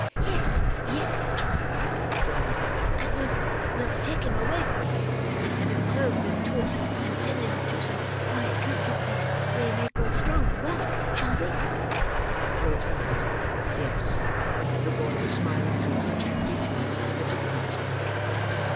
"Yes, yes," said Oliver, "and we'll—we'll take him away from here, and have him clothed and taught, and send him to some quiet country place where he may grow strong and well,—shall we?" Rose nodded "yes," for the boy was smiling through such happy tears that she could not speak.